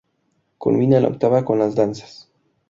Culmina en la Octava con las Danzas.